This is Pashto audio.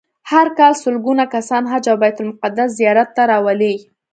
هر کال سلګونه کسان حج او بیت المقدس زیارت ته راولي.